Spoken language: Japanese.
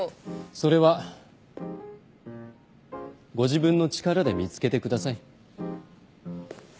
それはご自分の力で見つけてください。